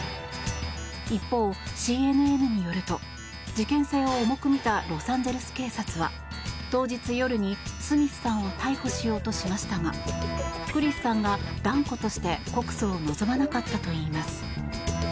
一方、ＣＮＮによると事件性を重く見たロサンゼルス警察は当日夜にスミスさんを逮捕しようとしましたがクリスさんが断固として告訴を望まなかったといいます。